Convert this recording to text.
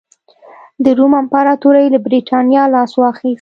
د روم امپراتورۍ له برېټانیا لاس واخیست